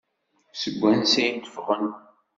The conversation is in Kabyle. Seg wansi ay d-ffɣen?